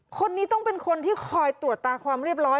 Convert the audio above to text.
คนนี้ต้องเป็นคนที่คอยตรวจตาความเรียบร้อย